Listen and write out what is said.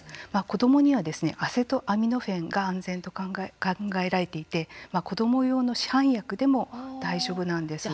子どもにはアセトアミノフェンが安全と考えられていて子ども用の市販薬でも大丈夫なんです。